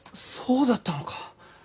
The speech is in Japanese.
そうだったのか！